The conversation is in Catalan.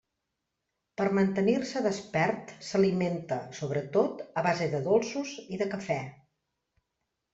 Per mantenir-se despert, s'alimenta, sobretot, a base de dolços i de cafè.